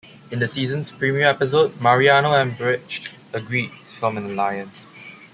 In the season's premiere episode, Mariano and Brkich agreed to form an alliance.